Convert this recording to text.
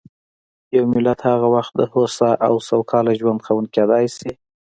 یو ملت هغه وخت د هوسا او سوکاله ژوند خاوند کېدای شي.